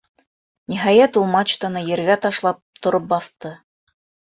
Ниһайәт, ул, мачтаны ергә ташлап, тороп баҫты.